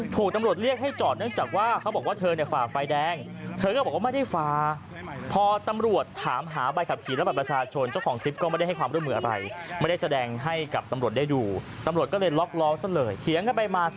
ถูกตำรวจเรียกให้จอดเนื่องจากว่าเขาบอกว่าเธอฝ่าไฟแดง